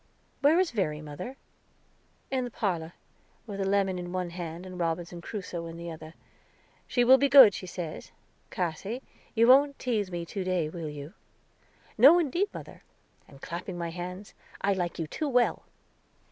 "Where is Verry, mother?" "In the parlor, with a lemon in one hand and Robinson Crusoe in the other. She will be good, she says. Cassy, you won't teaze me to day, will you?" "No, indeed, mother," and clapping my hands, "I like you too well."